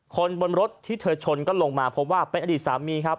คนบนรถที่เธอชนก็ลงมาพบว่าเป็นอดีตสามีครับ